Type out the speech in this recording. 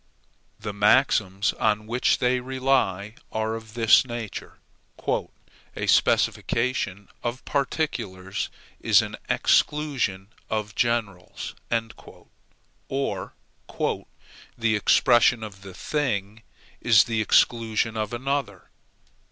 The maxims on which they rely are of this nature: "A specification of particulars is an exclusion of generals"; or, "The expression of one thing is the exclusion of another."